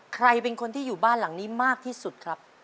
ใครเป็นคนที่อยู่บ้านหลังนี้มากที่สุดครับ